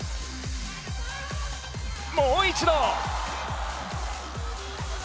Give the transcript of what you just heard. もう一度！